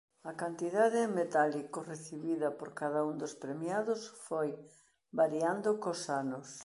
A cantidade en metálico recibida por cada un dos premiados foi variando cós anos.